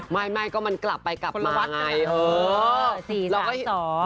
ไม่ไม่ก็มันกลับไปกลับมาไงคนละวัดเออสี่สามสอง